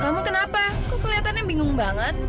kamu kenapa kok kelihatannya bingung banget